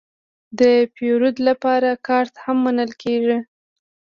د پیرود لپاره کارت هم منل کېږي.